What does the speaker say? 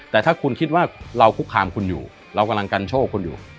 แต่ถ้าคุณคิดว่าเราคุกคามคุณอยู่เรากำลังกันโชคคุณอยู่